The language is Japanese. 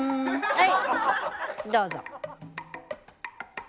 はいどうぞ。